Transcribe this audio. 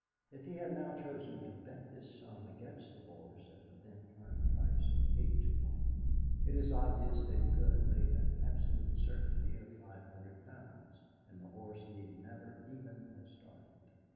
If he had now chosen to bet this sum against the horse at the then current price of eight to one, it is obvious that he could have made an absolute certainty of five hundred pounds, and the horse need never even have started.